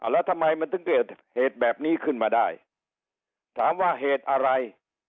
แล้วทำไมมันถึงเกิดเหตุแบบนี้ขึ้นมาได้ถามว่าเหตุอะไร